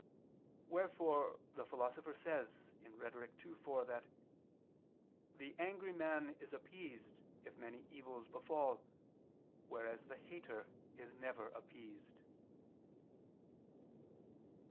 Wherefore the Philosopher says (Rhet. ii, 4) that "the angry man is appeased if many evils befall, whereas the hater is never appeased."